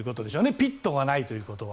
ピットがないということは。